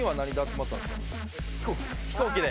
飛行機で？